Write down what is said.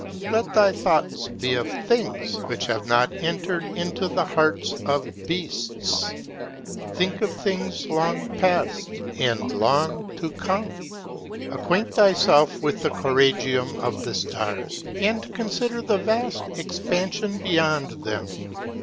Let thy thoughts be of things which have not entered into the hearts of beasts: think of things long past, and long to come: acquaint thyself with the choragium of the stars, and consider the vast expansion beyond them.